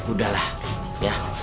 udah lah ya